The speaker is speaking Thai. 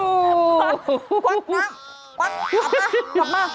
หมัดหน้าปล่ะมา